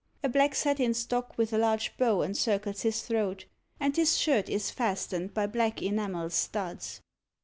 A black satin stock with a large bow encircles his throat, and his shirt is fastened by black enamel studs.